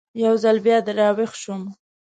یو ځل بیا را ویښ شوم.